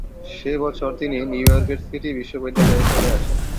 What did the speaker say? সে বছর তিনি নিউইয়র্কের সিটি বিশ্ববিদ্যালয়ে চলে আসেন।